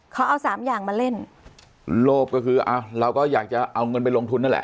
เขาเอาสามอย่างมาเล่นโลภก็คืออ้าวเราก็อยากจะเอาเงินไปลงทุนนั่นแหละ